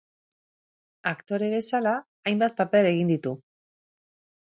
Aktore bezala, hainbat paper egin ditu.